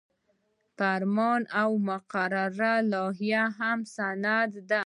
فرمان او مقرره او لایحه هم اسناد دي.